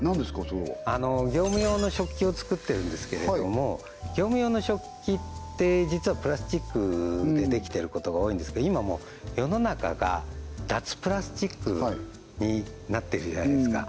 それは業務用の食器をつくってるんですけれども業務用の食器って実はプラスチックでできてることが多いんですけど今もう世の中が脱プラスチックになってるじゃないですか